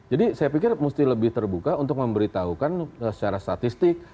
jadi saya pikir mesti lebih terbuka untuk memberitahukan secara statistik